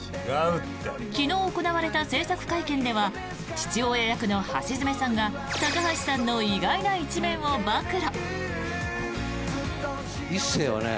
昨日行われた制作会見では父親役の橋爪さんが高橋さんの意外な一面を暴露。